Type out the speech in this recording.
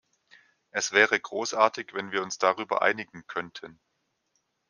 Es wäre großartig, wenn wir uns darüber einigen könnten.